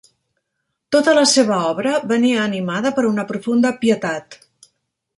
Tota la seva obra venia animada per una profunda pietat.